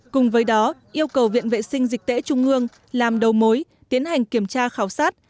cùng với đó yêu cầu viện vệ sinh dịch tễ trung ương làm đầu mối tiến hành kiểm tra khảo sát